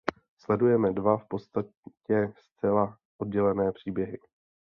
Sledujeme dva v podstatě zcela oddělené příběhy.